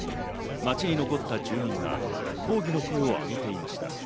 街に残った住民が抗議の声を上げていました。